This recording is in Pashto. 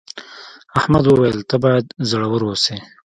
احمد وویل ته باید زړور اوسې.